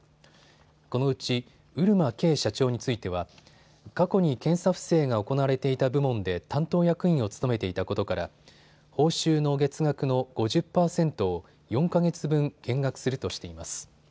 このうち漆間啓社長については過去に検査不正が行われていた部門で担当役員を務めていたことから報酬の月額の５０％を４か月分、減額するとしています。